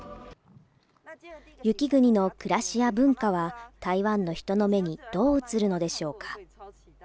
雪国の暮らしや文化は、台湾の人の目にどう映るのでしょうか。